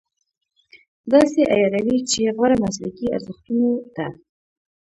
داسې عیاروي چې غوره مسلکي ارزښتونو ته.